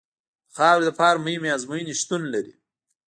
د خاورې لپاره مهمې ازموینې شتون لري